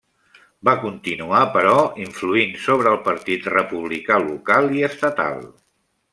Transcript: Va continuar, però, influint sobre el Partit Republicà local i estatal.